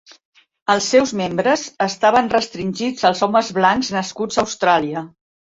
Els seus membres estaven restringits als homes blancs nascuts a Austràlia.